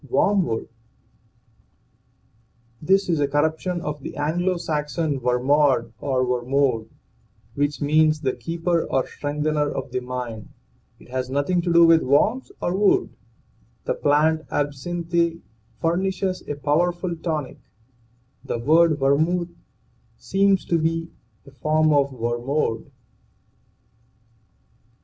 WORMWOOD. This is a corruption of the Anglo Saxon wermod or wermode, which means the keeper or strengthener of the mind. It has nothing to do with worms or wood. The plant (absinthe) furnishes a powerful tonic. The word vermuth seems to be a form of wermod.